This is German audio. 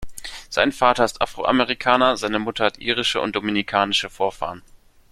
Sein Vater ist Afroamerikaner, seine Mutter hat irische und dominikanische Vorfahren.